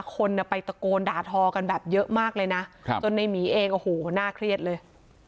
คนไปตะโกนด่าทอกันแบบเยอะมากเลยนะจนในหมีเองโอ้โหน่าเครียดเลย